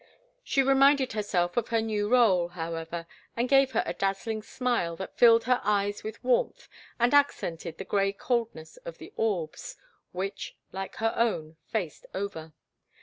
She reminded herself of her new rôle, however, and gave her a dazzling smile that filled her eyes with warmth and accented the gray coldness of the orbs, which, like her own, faced Over.